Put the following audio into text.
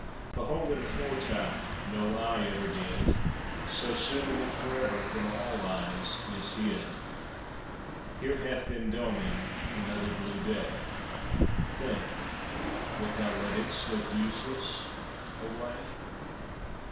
Behold it aforetime No eye ever did; So soon it for ever From all eyes is hid. Here hath been dawning Another blue day; Think, wilt thou let it Slip useless away?